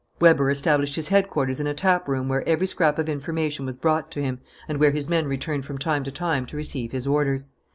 Weber established his headquarters in a tap room where every scrap of information was brought to him and where his men returned from time to time to receive his orders.